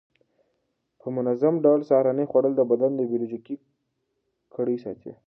په منظم ډول سهارنۍ خوړل د بدن بیولوژیکي ګړۍ ساتي.